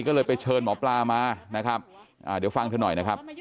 ก็เลยไปเชิยหมอปลามาเดี๋ยวฟังเธอหน่อย